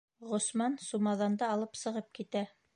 Ғосман сумаҙанды алып сығып китә.